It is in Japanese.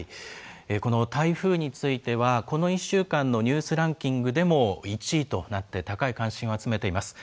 この台風については、この１週間のニュースランキングでも１位となって、高い関心を集めています。